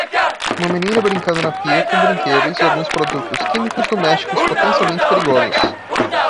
Uma menina brincando na pia com brinquedos e alguns produtos químicos domésticos potencialmente perigosos